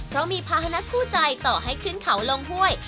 เพราะมีภาษณะคู่ใจต่อให้ขึ้นเขาลงห้วย